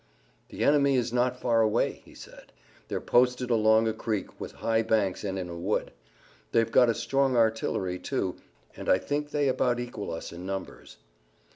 "The enemy is not far away," he said. "They're posted along a creek, with high banks and in a wood. They've got a strong artillery too, and I think they about equal us in numbers."